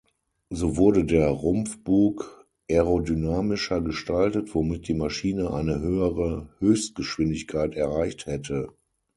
So wurde der Rumpfbug aerodynamischer gestaltet, womit die Maschine eine höhere Höchstgeschwindigkeit erreicht hätte.